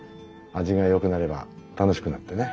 味がよくなれば楽しくなってね。